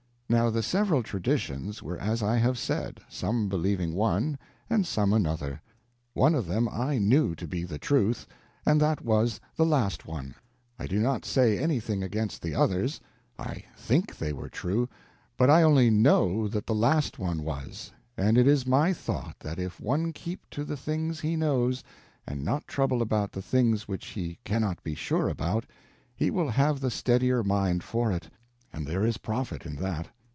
Now the several traditions were as I have said, some believing one and some another. One of them I knew to be the truth, and that was the last one. I do not say anything against the others; I think they were true, but I only know that the last one was; and it is my thought that if one keep to the things he knows, and not trouble about the things which he cannot be sure about, he will have the steadier mind for it—and there is profit in that.